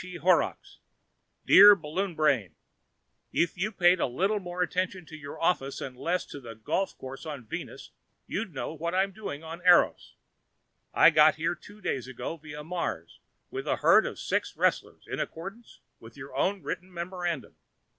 E. Horrocks Dear Balloon Brain: If you paid a little more attention to your office and less to that golf course on Venus, you'd know what I am doing on Eros. I got here two days ago via Mars with a herd of six wrestlers, in accordance with your own written memorandum.